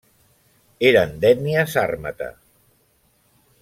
Eren d'ètnia sàrmata.